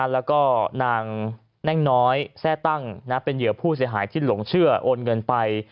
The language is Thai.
แล้วก็นางแน่งน้อยแทร่ตั้งเป็นเหยื่อผู้เสียหายที่หลงเชื่อโอนเงินไป